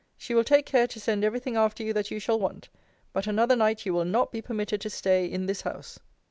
She will take care to send every thing after you that you shall want but another night you will not be permitted to stay in this house.